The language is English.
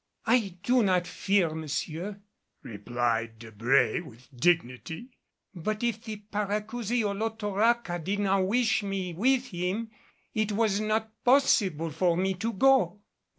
"I do not fear, monsieur," replied Debré with dignity; "but if the Paracousi Olotoraca did not wish me with him, it was not possible for me to go."